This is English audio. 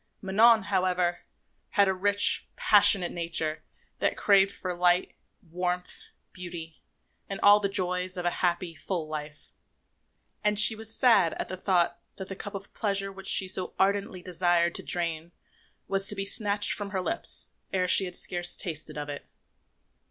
Manon, however, had a rich, passionate nature that craved for light, warmth, beauty and all the joys of a happy, full life; and she was sad at the thought that the cup of pleasure which she so ardently desired to drain was to be snatched from her lips ere she had scarce tasted of it.